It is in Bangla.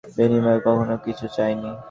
বিনিময়ে কখনও কিছু চায়নি।